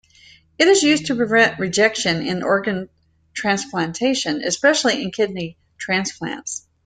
It is used to prevent rejection in organ transplantation, especially in kidney transplants.